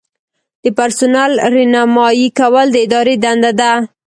د پرسونل رہنمایي کول د ادارې دنده ده.